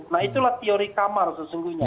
nah itulah teori kamar sesungguhnya